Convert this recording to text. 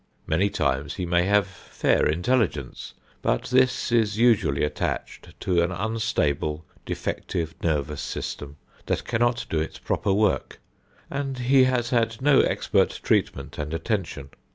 Many times he may have fair intelligence, but this is usually attached to an unstable, defective nervous system that cannot do its proper work, and he has had no expert treatment and attention.